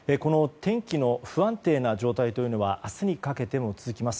天気の不安定な状態というのは明日にかけても続きます。